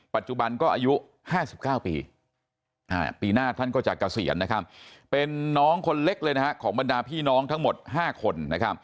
ปัจจุบันก็อายุ๕๙ปีปีหน้าท่านก็จะเกษียณเป็นน้องคนเล็กเลยของบรรดาพี่น้องทั้งหมด๕คน